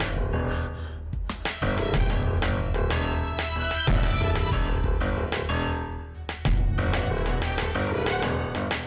taufan enggak jangan tinggalin aku